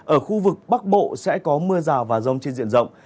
ở khu vực bắc bộ sẽ có mưa rào và rông trên diện rộng